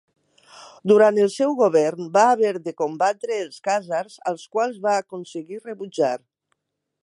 Durant el seu govern va haver de combatre els khàzars, als quals va aconseguir rebutjar.